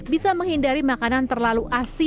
bisa menghindari makanan terlalu asin